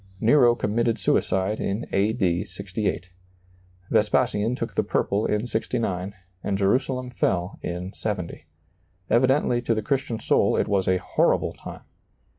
Nero committed suicide in A. D. 68. Vespasian took the purple in 69, and Jerusalem fell in 70. Evidently to the Christian soul it was a horrible time.